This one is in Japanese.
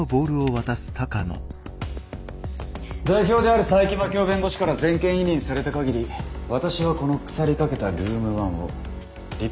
代表である佐伯真樹夫弁護士から全権委任された限り私はこの腐りかけたルーム１を立派に立て直してみせます。